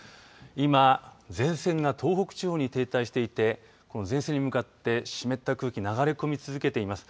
今、前線が東北地方に停滞していて前線に向かって湿った空気が流れ込み続けています。